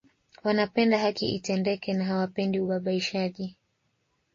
Wanapenda haki itendeke na hawapendi ubabaishaji